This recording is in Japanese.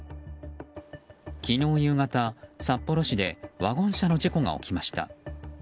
昨日夕方、札幌市でワゴン車の事故が起きました。